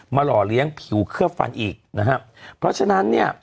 หล่อเลี้ยงผิวเคลือบฟันอีกนะฮะเพราะฉะนั้นเนี่ย